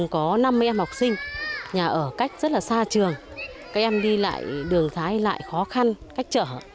có năm em học sinh nhà ở cách rất là xa trường các em đi lại đường thái đi lại khó khăn cách trở